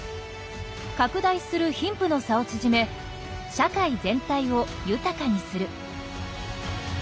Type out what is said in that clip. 拡大する貧富の差を縮め社会全体を豊かにする。